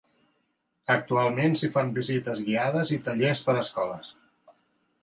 Actualment s'hi fan visites guiades i tallers per a escoles.